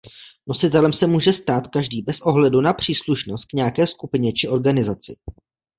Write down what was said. Nositelem se může stát každý bez ohledu na příslušnost k nějaké skupině či organizaci.